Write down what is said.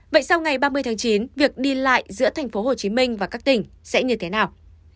vậy sau ngày ba mươi tháng chín việc đi lại giữa tp hcm và các tỉnh sẽ như thế nào